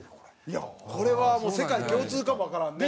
いやこれはもう世界共通かもわからんね。